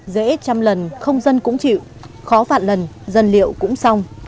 dễ trăm lần không dân cũng chịu khó vạn lần dân liệu cũng xong